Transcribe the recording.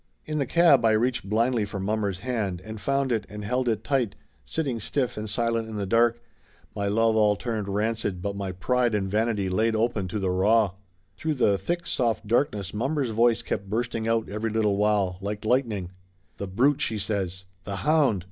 In the cab I reached blindly for mommer's hand and Laughter Limited 235 found it and held it tight, sitting stiff and silent in the dark, my love all turned rancid but my pride and vanity laid open to the raw. Through the thick soft darkness mommer's voice kept bursting out every little while, like lightning. "The brute!" she says. "The hound!